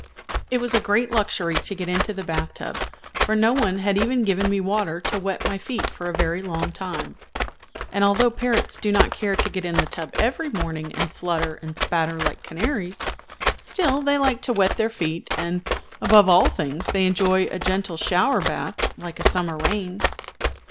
It was a great luxury to get into the bath tub, for no one had even given me water to wet my feet for a very long time; and although parrots do not care to get in the tub every morning and flutter and spatter like canaries, still they like to wet their feet, and, above all things, they enjoy a gentle shower bath, like a summer rain.